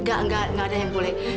gak gak gak ada yang boleh